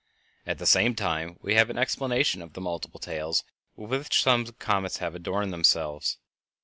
At the same time we have an explanation of the multiple tails with which some comets have adorned themselves.